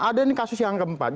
ada ini kasus yang keempat